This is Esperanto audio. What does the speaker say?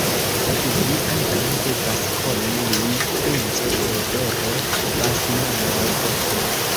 Sed vi ankaŭ devas koni lin, princo: Teodoro Basmanov!